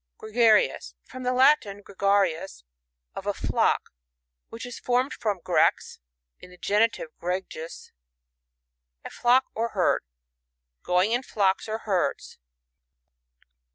Gregarious. — From the Latin, gre^ gariu9f of a flock, which in formed from ^rear, (in the genitive, grc^s) a flock or hetd. Going in flocks or herds.